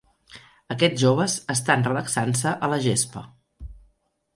Aquests joves estan relaxant-se a la gespa.